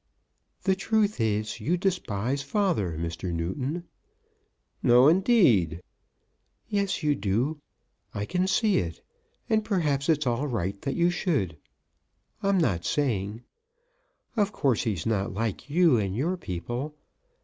"The truth is, you despise father, Mr. Newton." "No, indeed." "Yes, you do. I can see it. And perhaps it's all right that you should. I'm not saying Of course, he's not like you and your people.